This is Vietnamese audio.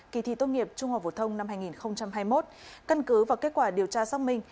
kỳ thi tốt nghiệp trung hòa vũ thông năm hai nghìn hai mươi một cân cứ vào kết quả điều tra xác minh